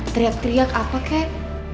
teriak teriak apa kek